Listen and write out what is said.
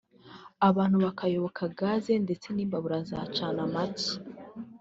abantu bakayoboka gaze ndetse n’imbabura za canamake”